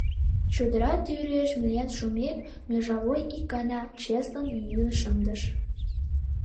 Чодыра тӱрыш миен шумек, межовой ик гана чеслын йӱын шындыш.